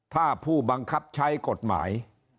ถ้าผู้บังคับใช้กฎหมาย